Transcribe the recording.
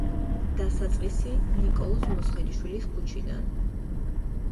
დასაწყისი ნიკოლოზ მუსხელიშვილის ქუჩიდან.